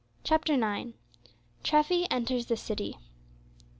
CHAPTER IX. TREFFY ENTERS THE CITY.